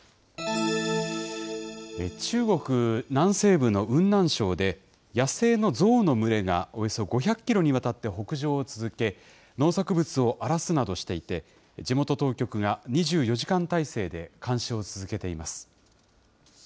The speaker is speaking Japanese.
中国南西部の雲南省で、野生のゾウの群れがおよそ５００キロにわたって北上を続け、農作物を荒らすなどしていて、地元当局が２４時間態勢で監視を続けています。